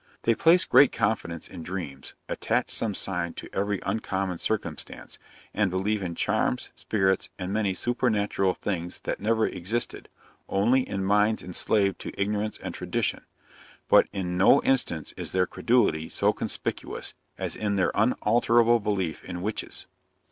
They place great confidence in dreams, attach some sign to every uncommon circumstance, and believe in charms, spirits, and many supernatural things that never existed, only in minds enslaved to ignorance and tradition: but in no instance is their credulity so conspicuous, as in their unalterable belief in witches.